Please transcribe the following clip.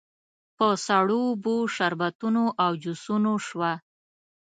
په سړو اوبو، شربتونو او جوسونو شوه.